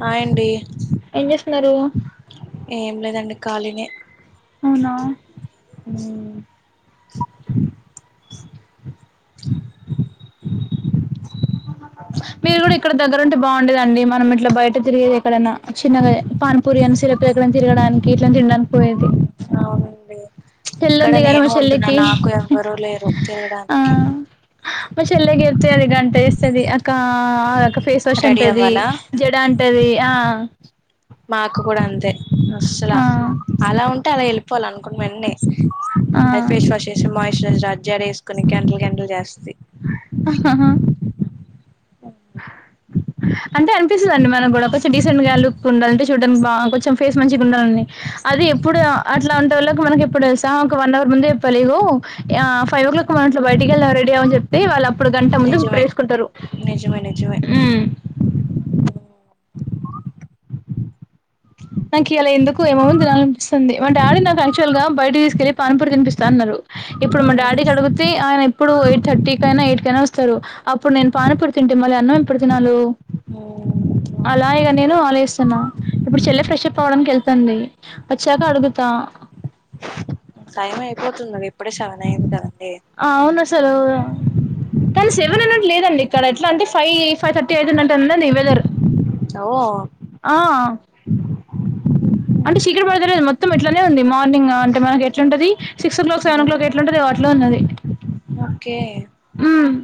Hi అండి ఏం చేస్తున్నారు ఏం లేదండి కాలినే అవునా మీరు కూడా ఇక్కడ దగ్గరుంటే బాగుండేదండి. మనం ఇట్లా బయట తిరిగేది ఎక్కడన్నా. చిన్నగా పానిపూరి అని సిరప్ ఎక్కడ తిరగడానికి ఇట్లా తినడానికి పోయేది. అవునండి ఇక్కడ చెల్లుంది గాని మా నేను ఉంటున్నా చెల్లకి నాకు ఎవ్వరూ లేరు ఆ తిరగడానికి మా చెల్లకి చెప్తే అది గంట చేస్తది అక్కా ఒ రకం ఫేస్ వాష్ రెడీ అంటది, అవ్వాలా జడా అంటది ఆ మా అక్క కూడా అంతే అసలా అలా ఉంటే అలా ఎళ్ళిపోవాలి అనుకున్న వెంటనే. ఆ అది ఫేస్ వాష్ చేసి, మాయిశ్చరైజర్ రాసి, జడ ఏసుకొని గెంటలు గెంటలు చేస్తది. ఆ అంటే అనిపిస్తదండి మనకు కూడా కొంచెం డీసెంట్ గా లుక్ ఉందంటే చూడడానికి బా కొంచెం ఫేస్ మంచిగా ఉండాలని అది ఎప్పుడు అట్లాంటోళ్ళకు మనకి ఎప్పుడు తెలుసా ఒక వన్ అవర్ ముందే చెప్పాలి ఇగో ఆ ఫైవ్ ఓ క్లాక్ మనం అట్లా బయటికి వెళ్దాం రెడీ అవ్వు అని చెప్తే వాళ్ళు అప్పుడు గంట ట ముందు ప్రిపేర్ నిజమే చేసుకుంటరు. నిజమే నిజమే హ్ నాకు ఇయాలా ఎందుకో ఏమేమో తినాలనిపిస్తుంది. మా డాడీ నాకు యాక్చువల్గా బయటకు తీసుకెళ్లి పానిపూరి తినిపిస్తా అన్నరు. ఇప్పుడు మా మ్మ్. డాడీకి అడుగుతే ఆయన ఇప్పుడు ఎయిట్ థర్టీ కైనా ఎయిట్ కైయినా వస్తరు. అప్పుడు నేను పానిపూరి తిని తింటే మళ్ళీ అన్నం ఎప్పుడు తినాలో. ఆ అలా ఇగా నేను ఆలోచిస్తున్నా ఇప్పుడు చెల్లె ఫ్రెషప్ అవడానికి వెళ్తుంది వచ్చాక అడుగుతా. టైం అయిపోతుంది మరి ఇప్పుడే సెవన్ అయింది కదా. అవును అసలు కని సెవెన్ మ్మ్. అన్నట్లే లేదండి ఇక్కడ ఎట్లా అంటే ఫైవ్ ఫైవ్ థర్టీ అయితున్నటు ఉందండి వెదర్. ఓ ఆ అంటే మ్మ్. చీకటి పడతలేదు మొత్తం ఇట్లనే ఉంది మార్నింగ్ అంటే మనకి ఎట్లుంటది six o'clock seven o'clock ఎట్ల ఉంటది ఓ అట్లే ఉన్నది. ఓకే ఉమ్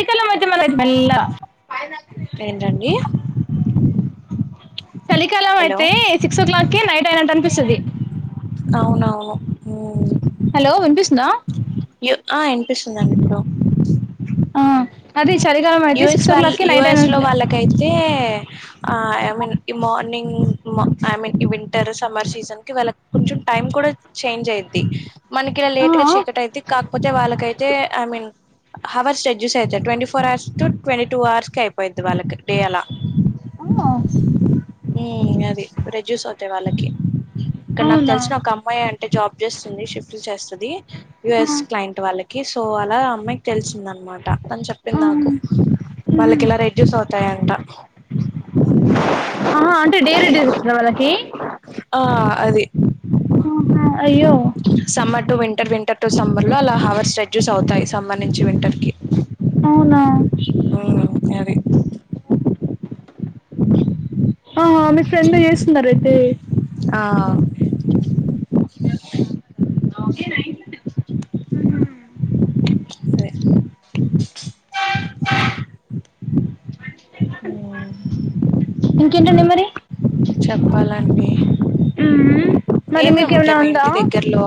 అకలా మధ్య మ [unintelligible] ఏంటండి చలికాలం హలో అయితే సిక్స్ ఓ క్లాక్ కే నైట్ అయినట్టు అనిపిస్తది అవునవును హలో వినిపిస్తుందా ఆ వినిపిస్తుందా అండి ఇప్పుడు ఆ అది చలికాలం అయితే యుఎస్ సిక్స్ ఓ వాళ్ళ క్లాక్కిి నైట్ యుఎస్ లో అయినటు వాళ్ళకైతే ఐ మీన్ ఈ morning I mean winter summer season కి వెళ్ళ కొంచెం టైమ్ కూడా చేంజ్ అయిది మనకి ఇలా ఆ లేట్ గా చీకటి అయిది కాకపోతే వాళ్ళకైతే ఐ మీన్ అవర్స్ రెడ్యూస్ అవుతది twenty four hours to twenty two hours క అయిపోద్ది వాళ్ళకి డే అలా అవునా ఉ అది రెజ్యూస్ అవుతాయి వాళ్ళకి ఇక్కడ నాకు అవునా తెలిసిన ఒక అమ్మాయి అంటే జాబ్ చేస్తుంది షిఫ్ట్ చేస్తుంది ఆ యుఎస్ క్లయింట్ వాళ్ళకి సో అలా అమ్మాయికి తెలిసింద అనమాట అని చెప్ప ప్పింది ఆ నాకు ఉహు వాళ్ళకి ఇలా రెడ్యూస్ అవుతాయంట ఆహా అంటే డైల డ్యూటీ ఇస్తురా వాళ్నకి ఆ అది అహా అయ్యో to winter winter to summer లో అలా అవర్స్ రేడ్యూస్వుతాయి సమ్మర్ నుంచి వింటర్ కి అవునా మ్ అది ఆ మీ ఫ్రెండ్ చేస్తున్నారు అయితే ఆ ఇ ఉమ్ అదే మ్ ఇంకేంటన్డి మరి చెప్పాలండి ఉమ్ మరి ఏమేం మీకేమైనా ఉంటాయి మా ఉందా ఇంటి దగ్గరలో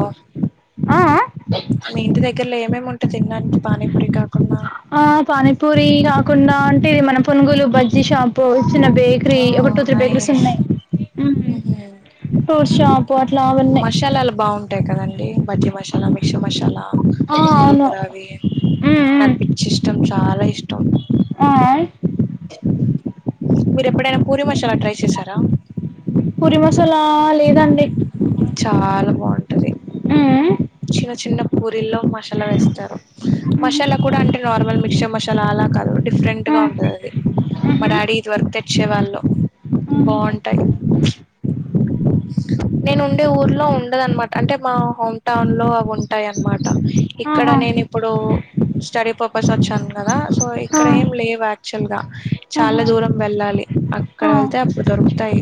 ఆ ఆ మీ ఇంటి దగ్గరలో ఏమేమి ఉంటయి తినడానికి పానీపూరి కాకుండా ఆ పానీపూరి కాకుండా అంటే ఇది మన పునుగులు బజ్జి షాప్ చిన్న బేకరీ ఆ ఒక టు త్రీ బేకరీసు ఉంన్నయి మషలాలు బాగుంటాయి కదండి బజీ మషలా మిక్సర్ మశలా ఆ అవును గురుగురావి ఉమ్ ఉమ్ నాకు పిచ్చి ఇష్టం చాలా ఇష్టం ఆ ఆ మీరు ఎప్పుడైనా పూరి మసాలా ట్రై చేశారా పూరి మసాలా లేదాండి చాలా బాగుంటది చిన్న చిన్న పూర్ రిల్లో మసాలా వేస్తారు మసాలా కూడా అంటే నార్మల్ మిక్చర్ మసాలా అలా కాదు డిఫరెంట్ గా ఆ ఉంటది అది మా ఆహా డాడీ ఇది తెచ్చే వాళ్ళు బాగుంటాయి నేను ఉండే ఊర్లో ఉండదన్నమాట అంటే మా హోమ్ టౌన్ లో అవి ఉంటాయి అన్నమాట ఇక్కడ నేను ఆ ఇప్పుడు స్టడీ పర్పస్ వచ్చాను కదా సో ఇక్కడ ఏం లేవు యాక్చువల్ గా చాలా ఆహా దూరం వెళ్ళాలి అక్కడ ఆ వెళ్తే అప్పుడు దొరుకుతాయి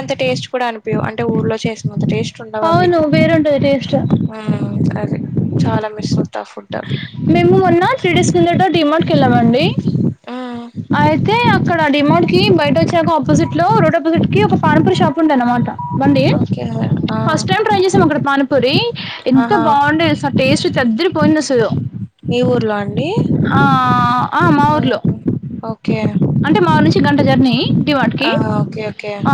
అంత టేస్ట్ కూడా ని అంటే ఊర్లో చేసినంత టేస్ట్ ఉండవు అవి అవును వేరుంటది టేస్ట్ ఉమ్ చాలా మిస్ అవుత మేము మొన్న త్రీ డేస్ కిందట డిమార్ట్ క వెళ్ళామండి మ్మ్ అయితే ఇక్కడ డిమార్ట్ కి బయట వచ్చాక ఆపోజిట్ లో రోడ్ అపోజిట్ కి ఒక పానపూరి షాప్ ఉండంది అనమాట బండి ఓకే ఆ ఫస్ట్ టైం ట్రై చేసాం అక్కడ పానిపూరి ఎంత ఆహా బాగుండే టేస్ట్ అదిరిపోయింది అసలు మీ ఊర్లో అండి ఆ ఆ మా మ్మ్ ఊర్లో ఓకే అంటే మా నుంచి గంట జర్నీ డివాడ్కి ఆహా ఓకే ఓకే ఆ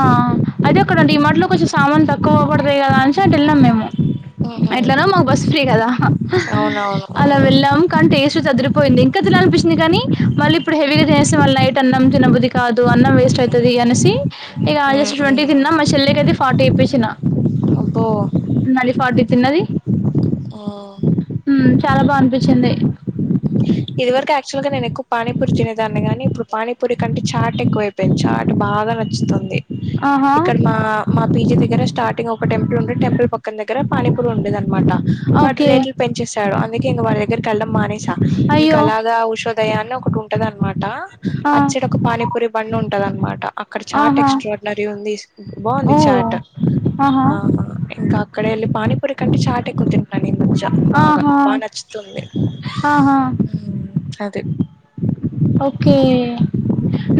అయితే ఒకక్కడంటడి ఈ మాటిలో కొంచెం సామానులు తక్కువ పోవకడదయి కదా అని చె అంటు వెళ్ళాం మేము మ్మ్ ఎట్లాన మాకు బస్సు ఫ్రీ కదా అవునవును అలా వెళ్ళాం కానీ టేస్ట్ తదు పోయింది ఇంకా తినల అనిపించింది కానీ మళ్ళీ ఇప్పుడు హెవీగా చేససి మళ్ళ నైట్ అన్నం తినబుది కాదు అన్నం మ్మ్ వేస్ట్ మ్మ్ అయితది అనేసి ఇక జస్ట్ ట్వంటీ తిన్నా మ చెల్లేకి అయిది ఫార్టీ ఇప్పించి అబ్బో నాది ఫార్టీ తిన్నది చాలా బా అనిపించింది ఇది వరకు యాక్చువల్ గా నేనుక్కు పా పనీపూరి తినేదాన్ని కానీ ఇప్పుడు పానీపూరి కంటే చాట్ ఎక్కువ అయిపోయింది చాట్ బాగా బాగా నచ్చుతుంది ఆహా! ఇక్కడ మా మా పీజీ దగ్గర స్టార్టింగ్ ఒక టెంపుల్ ఉండే టెంపుల్ పక్కన దగ్గర పాణనీపూర్ ఉండేద అనమాట వాట్ ఓకే. రేట్లు పెంచేస్తాడు అందుకే ఇంక వాళ్ళ దగ్గరకి వెళ్ళడం మానేసా ఇంకా అయ్యో! అలాగా ఉష దయాన్న ఒకటి ఉంటద అనమాట ఆ! అచ్చడ ఒక పానీపూరి బండి ఉంటది అనమాట అక్కడ చాట్ ఆహా! ఎక్స్ట్రాడినరీ ఉంది బాగుంది ఓహ్! చాట్ ఆహా! ఆ ఇంకా ఇక్కడా వీళ్ళు పనిపురి కంటే చాట్ ఎకు మంచ బాగా ఆహా! బాగా నచ్చుతుంది ఆహా! హ్మ్ అది ఓకే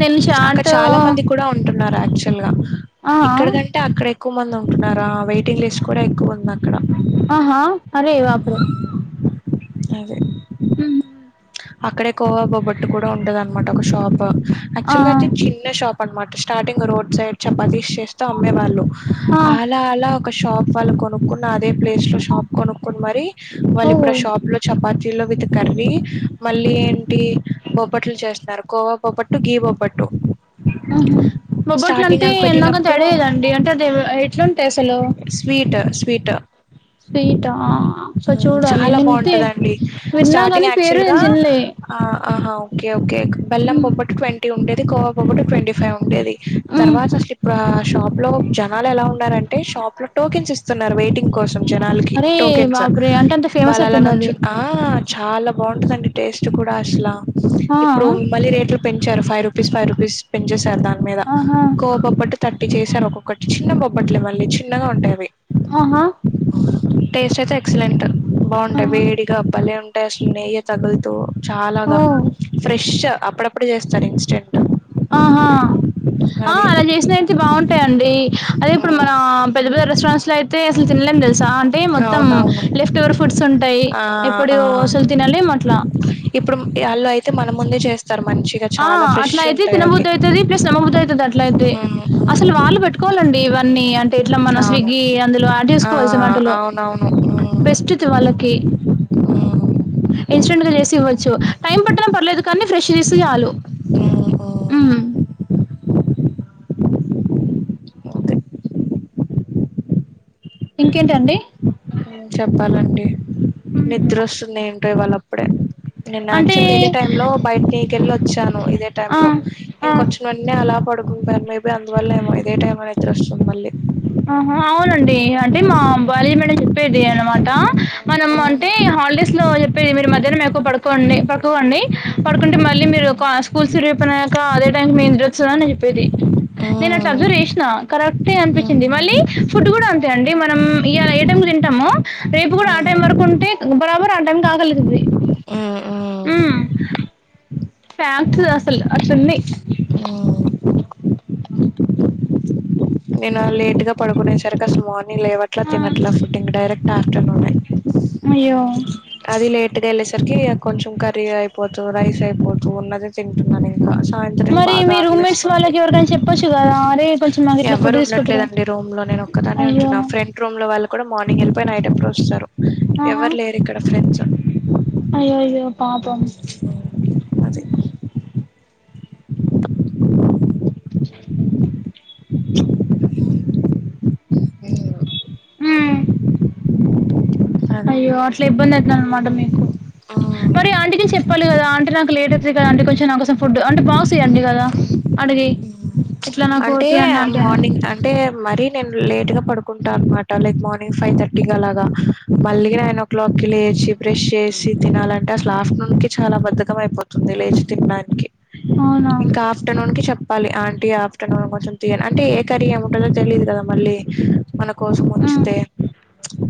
నేను అక్కడ షార్ట్ చాలా మంది కూడా యాక్చువల్ గా ఆ ఇక్కడ కంటే అక్కడ ఎక్కువ మంది ఉంటున్నా వెయిటింగ్ లిస్ట్ కూడా ఎక్కువంది ఆహా అరే వాపర అదే మ్మ్ అక్కడే కోవాబొబట్టు కూడా ఉంటద అనమాట ఒక షాప్ ఆ యాక్చువల్ గా అయితే చిన్న షాప్ అనమాట స్టార్టింగ్ రోడ్ సైడ్ చపాతి చేస్తూ అమ్మేవాళ్ళు ఆ అలా అలా ఒక షాప్ వాళ్ళు కొనుక్కున్న అదే ప్లేస్ లో షాప్ కొనుక్కుని మరి ఓ వాళ్ళు ఇప్పుడు ఆ షాప్ లో చపాతి తి విత్ కర్రీ మళ్ళీ ఏంటి బొప్పట్లు చేస్తున్నారు కోవా బొప్పట్టు గీ బొప్పట్టు ఆహ మొబ్బొట్లు అంటే ఎన్నోకంత పెట్టినప్పుడు తడయదండి అంటే అది ఎట్లుంటే అసలు స్వీట్ స్వీట్ స్వీట్ సో హ్మ్. చూడాలి చాలా నింతే బాగుంటదండి విన్నా కాని స్టార్టింగ్ పేరు యాక్చువల్ నేను తినలే ఓకే ఓకే బెల్లం హ్మ్ బొప్పట్ ట్వంట్ డేది కోవ బొప్పట్లు ట్వంటీ ఫైవ్ ఉంటేది హ్మ్ తర్వాత అసలు ఇప్పుడు షాప్ లో జనాలు ఎలా ఉన్నారంటే షాప్ లో టోకెన్స్ ఇస్తున్నారు వెయిటింగ్ కోస్ సం జనాలకి అరే టోకెన్స్ బాప్రే అంటే అంత ఫేమస్ వాళ్ళ అలా అయిపోయిందా అది నుంచ ఆ చాలా బాగుంటందండి టేస్ట్ కూడా అసలు ఆ ఇప్పుడు మళ్ళీ రేట్ పెంచారు ఫైవ్ రూపీస్ ఫైవ్ రూపీస్ పెంచేశారు దాని మీద ఆహా కోవ బొప్పట్లు తట్ చేశారు ఒక్కొక్కటి చిన్న బొప్పట్లు మళ్ళీ చిన్నగా ఉంటాయి అవి ఆహా టేస్ట్ అయితే ఎక్సలెంట్ బాగుంటాయి ఆహా వేడిగా బలే ఉంటయి అసలు నయ్య తగులుత చాలాగా ఓ ఫ్రెష్ అప్పుడప్పుడు చేస్తారు ఇన్స్టెంట్ ఆహా ఆ అది అలా చేసిన అయితే బాగుంటాయిండి అదే ఇప్పుడు మన పెద్ద పెద్ద రెస్టారెంట్స్ లో అయి తే అసలు తినాలేం చ అంటే మొత్తం అవునవును లెఫ్ట్ ఓవర్ ఫుడ్స్ ఉంటాయి ఆ ఎప్పుడు ఆ అసలు తినాలేం అట్లా ఇప్పుడు ఎల్లో అయితే మనం ముందే చేస్తారు మంచిగా ఆ! చాలా ఫ్రెష్ అట్లా అయితే ఉంటాయి అవి తినబుద్దయితది పాలు పెట్టుకోవాలండి ఇవన్నీ అంటే ఇట్లా మనం అవును స్విగ్గి అందులో యాడ్ ఆ చేసుకోవల్సి జోమాటోలో అవునవును బెస్ట్ వాళ్లకి హ్మ్ ఇన్సిడెంట్ గా చేసి ఇవ్వచ్చు టైం పట్టడం పర్లేదు కానీ ఫ్రెష్ గా ఇస్తే చాలు మ్మ్ మ్మ్ హ్మ్ మ్మ్ అదే ఇంకేంటండి చెప్పాలండి నిద్ర వస్తుంది ఏంటో ఇవాళ అప్పుడే నేను అంటే యాక్చువల్గా ఇదే టై లో బయట నికెళ్లి వచ్చాను ఇదే టై ఆ! లో ఆ! ఇంకొచ్చంవన్న అలా పడు మేబీ అందువల్ల ఏమో ఇదే టైం నిద్రొస్తుంది మళ్ళీ ఆహా అవునండి అంటే మా కాలేజీ మేడం చెప్పేది అనమాట మనం అంటే హాలిడేస్ లో మీరు మధ్యాహ్నం ఎక్కువ పడుకోండి పడుటుకోండి పడుకుంటే మళ్ళీ మీరు స్కూల్స్ రూపోయినాక అదే [unintelligible] అని చెప్పేది నేను అట్లా అబ్జర్వ్ చేసిన కరెక్టే అనిపించింది మళ్ళీ ఫు ఫుడ్ కూడ అంతే అండి మనం ఈయాల ఏ టైం తింటామో రేపు కూడా ఆ టైం వరకు ఉంటే బరాబర్ ఆ టైం కి ఆకలైతది ఆ ఆ హ్మ్. ఫ్యాక్ట్స్ అసలు అట్లుంది ఆ నేను లేట్ గా పడుకునే సరిగా సుమార్ లేవట్లా ఆ! తినట్లా ఫుటింగ్ డైరెక్ట్ ఆఫ్టర్నూన్నే అయ్యో! అది లేట్ గా వెళ్ళేసరికి కొంచెం కర్రీ అయిపోతు రైస్ అయిపోతు ఉన్నదే తింటున్నాను సాయంత్రం మరి బాగ మీ రూమ్‌మేట్స్ ఆకలేస్తుంది వాళ్ళకి ఎవరికైనా చెప్పొచ్చు గదా! అరే కొంచెం నాకు ఇట్లా ఎవరు ఫుడ్ తీసుపెట్టురా ఉండట్లేదండి రూమ్ లో నేను ఒక్కదనే అయ్యో ఉంటును ఫ్రెంట్ రూమ్ లో వాళ్ళ కూడా మార్నింగ్ వెళ్ళిపోయి నైట్ ఎప్పుడో వస్తారు ఆహా ఎవరు లేరు ఇక్కడ ఫ్రెండ్స్ అయ్యో అయ్యో పాపం అది హు అది అయ్యో అట్లా ఇబ్బంది అవుతుందనమాట మీకు మరి ఆంటికించి చెప్పాలి కదా అంటే నాకు లేట్ అవుంది కదా అంటే కొంచం నాకోసం ఫుడ్ అంటే బాక్స్ ఇ్యండి కదా అడుగే అంటే మార్నింగ్ అంటే మరి నేను లేట్గ పడుకుంటా అనమాట లైక్ మార్నింగ్ ఫైవ్ థర్టీ అలాగా మళ్ళీ నైన్ ఓ క్లాక్ కి లేచి బ్రెష్ చేసి తినాలంటే అసలు ఆఫటర్నూన్ కి చాల బద్ద పోతుంది లేచి తినడానికి అవునా ఇంకా ఆఫ్టర్నూన్ కి చెప్పాలి ఆ కొంచెం తీయి అంటే ఏ కర్రీ ఏము ఉంటుందో తెలియదు కదా మళ్ళీ మన కోసం ఉమ్ ఉంచితే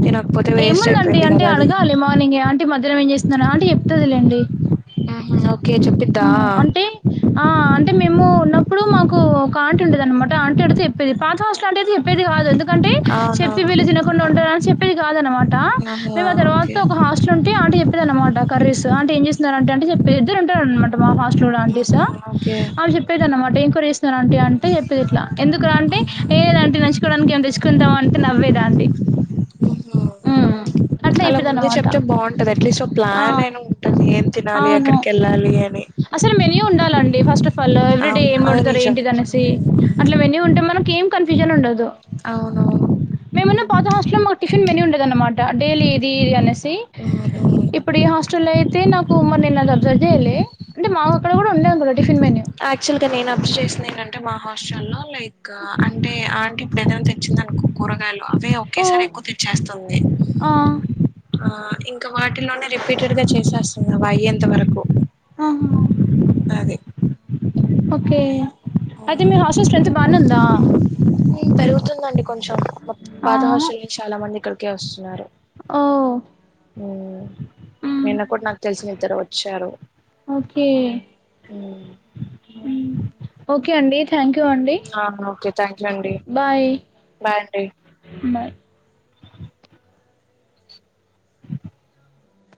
నేనుకపోతే వేస్ట్ ఏముందండి అయిపోయిది అంటే కదా అది అడగాలి మార్నింగే ఆంటీ ఏం చేస్తున్నారో అంటి చెప్తుందిలేండి ఆ అంటే ఆ అంటే మేము ఉన్నప్పుడు మాకు క ఉండేది అనమాట ఆంటి అడుగుతే చెప్పేది పాత ఇట్లాది చెప్పేది కాదు ఎందుకంటే చెప్పి అవునవును వీళ్ళు తినకుండా ఉంటార అని చెప్పేది కాదు అనమాట ఆహా మేము ఆ తర్వాత ఓకే మాకు ఒక హాస్టల్ ఉంటే ఆంటీ చెప్పేది అనమాట క్రీస్ అంటే ఏం చేస అంట అంటే చెప్పేది మాట మా హాస్టల్ ఓకే అ చెప్పేదిన్నమాట ఎంక్వైరీ చేస్తున్నారుంట అంటే చెప్పేది ఇట్లా ఎందుకు అంటే ఏదంటే నచ్చువడానికి ఏం తెచ్చుకుందాం అంటే నవ్వేదా ఆ అలా ముందే చెప్తే బాగుంటది అట్లీస్ట్ ఒక ఆ! ప్లాన్ అయినా ఉంటది ఏం తినాలి అవును. ఎక్కడికి వెళ్ళాలి అని అసలు మెన్యూ ఉండాలండి ఫస్ట్ ఆఫ్ ఆల్ ఎవ్రీడే అవును ఏం అది పెడతారు నిజం ఏంటి అనేసి అట్లా మెన్యూ ఉంటే మ మనకి ఎం కన్ఫూషన్ ఉండదు అవును మేమున్న పాత హాస్టలే [unintelligible] మెనూ ఉండేది అనమాట డైలీ ఇది ఇది అనే ఇప్పుడు ఎ హాస్ అయితే నాకు మరి అ అబ్జర్వ చేయాలే అంటే మాకు అక్కడ కూడా ఉండ యాక్చువల్ గా నేను అబ్జర్వ్ చేసింది ఏంటంటే మా హాస్ట లో లైక్ అంటే ఇప్పుడు ఏదైనా తెచ్చింది అనుకో కూరగాయలు అవి ఒకేసారి ఎక్కువ తెచ్చేస్తుంది ఆ ఇంకా వాటిలోనే రిపీటెడ్ గా చేసేస్తుంది అవి అయ్యేంత వరకు. అహ. అది ఓకే అయితే మీ హాస్టల్ స్ట్రెంత్ బానే ఉందా. ఉమ్ పెరుగుతుందండి కొంచెం మా పాత ఆహా. హాస్టల్ చాలా మంది ఇక్కడికే వస్తున్నారు. ఓ. హ్మ్ మ్మ్. నిన్న కూడా నాకు తెలిసిన ఇద్దరు వచ్చారు. ఓకే మ్ మ్ ఓకే అండి. థాంక్యూ అండి ఆ ఓకే థ్యాంక్ యూ అండి బాయ్. బాయ్ అండి